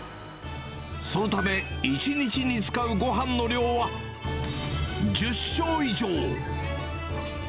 そのため、１日に使うごはんの量は１０升以上。